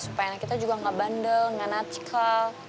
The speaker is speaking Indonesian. supaya anak kita juga gak bandel gak nasikal